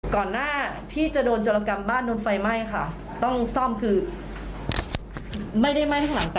ก่อนหน้าที่จะโดนเจรันกรรมบ้านโดนไฟไหม้ค่ะ